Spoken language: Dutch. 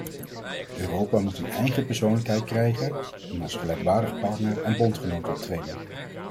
Europa moet een eigen persoonlijkheid krijgen en als gelijkwaardige partner en bondgenoot optreden.